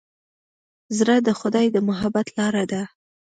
زړه د خدای د محبت لاره ده.